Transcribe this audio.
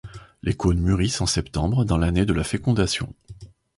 Les cônes mûrissent en septembre dans l'année de la fécondation.